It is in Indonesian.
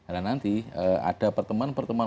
dan nanti ada perteman perteman